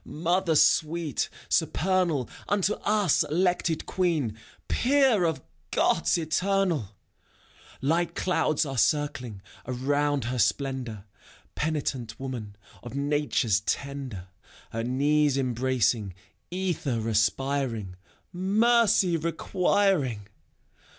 Mother sweet, supernal, — Unto ns Elected Queen, Peer of Gods Eternal ! light clouds are circling Around her splendor, — 5 Penitent women Of natures tender, Her knees embracing, Ether respiring, Mercy requiring!